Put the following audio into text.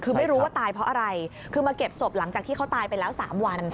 คือไม่รู้ว่าตายเพราะอะไรคือมาเก็บศพหลังจากที่เขาตายไปแล้ว๓วัน